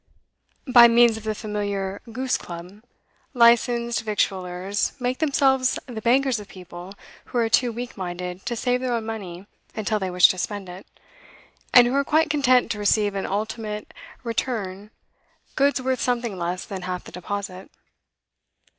By means of the familiar 'goose club,' licensed victuallers make themselves the bankers of people who are too weak minded to save their own money until they wish to spend it, and who are quite content to receive in ultimate return goods worth something less than half the deposit.